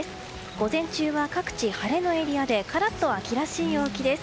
午前中は各地、晴れのエリアでカラッと秋らしい陽気です。